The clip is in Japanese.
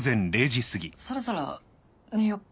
そろそろ寝よっか。